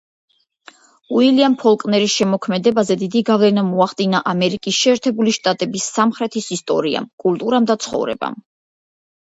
უილიამ ფოლკნერის შემოქმედებაზე დიდი გავლენა მოახდინა ამერიკის შეერთებული შტატების სამხრეთის ისტორიამ, კულტურამ და ცხოვრებამ.